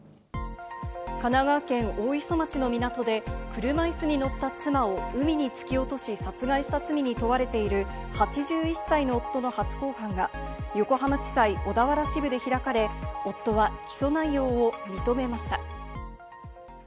神奈川県大磯町の港で車いすに乗った妻を海に突き落とし、殺害した罪に問われている８１歳の夫の初公判が横浜地裁小田原支部で開かれ、夫は起訴内容を認めました。